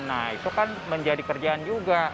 nah itu kan menjadi kerjaan juga